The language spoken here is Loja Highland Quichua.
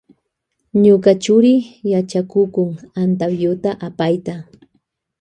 Ñuka churi yachakukun antapyuta apayta.